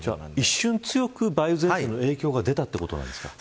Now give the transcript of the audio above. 一瞬強く、梅雨前線の影響が出たということですか。